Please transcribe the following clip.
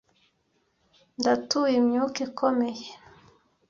ndatuye imyuka ikomeye